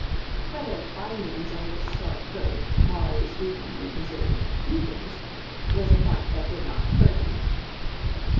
Whether "findings" of this sort could, morally speaking, be considered "keepings," was a point that did not occur to me.